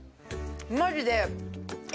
マジで。